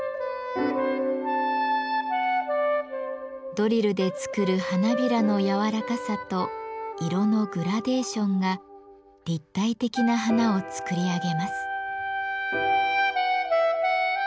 ドリルで作る花びらの柔らかさと色のグラデーションが立体的な花を作り上げます。